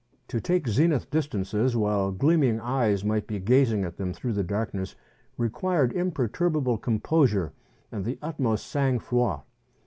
To take zenith distances while gleaming eyes might be gazing at them through the darkness, required imperturbable composure and the utmost sang' froid.